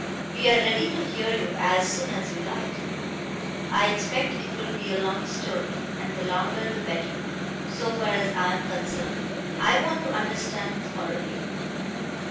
We are ready to hear you as soon as you like. I expect it will be a long story, and the longer the better, so far as I am concerned; I want to understand thoroughly.